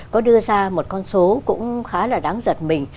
có đưa ra một con số cũng khá là đáng giật mình